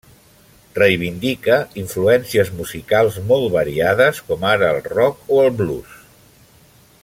Reivindica influències musicals molt variades com ara el rock o el blues.